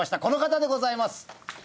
この方でございます。